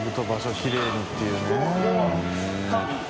きれいにっていうね。